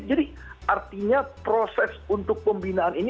jadi artinya proses untuk pembinaan ini